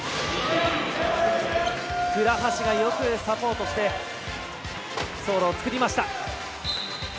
倉橋がよくサポートして走路を作りました。